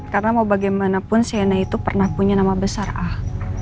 karena mau bagaimanapun sienna itu pernah punya nama besar ah